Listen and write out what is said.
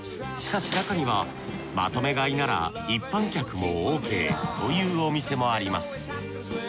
しかし中にはまとめ買いなら一般客もオーケーというお店もあります。